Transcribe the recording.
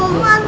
gak mau disini